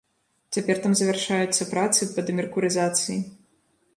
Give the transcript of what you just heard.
Цяпер там завяршаюцца працы па дэмеркурызацыі.